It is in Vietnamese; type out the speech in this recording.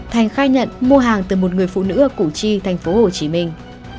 thành khai nhận mua hàng từ một người phụ nữ ở củ chi thành phố hồ chí minh